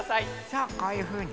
そうこういうふうに。